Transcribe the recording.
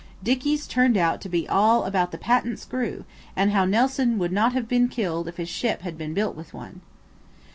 Dicky's turned out to be all about the patent screw, and how Nelson would not have been killed if his ship had built with one.